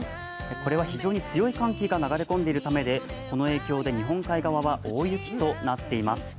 これは非常に強い寒気が流れ込んでいるためで、この影響で日本海側は大雪となっています。